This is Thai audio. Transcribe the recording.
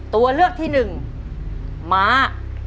ตัวเลือกที่หนึ่งม้า